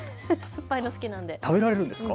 食べられるんですか？